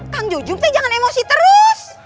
kakang jujur teh jangan emosi terus